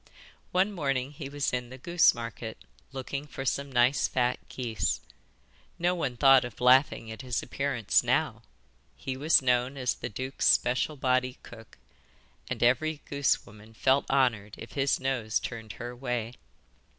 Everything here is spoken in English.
One morning he was in the goose market, looking for some nice fat geese. No one thought of laughing at his appearance now; he was known as the duke's special body cook, and every goose woman felt honoured if his nose turned her way.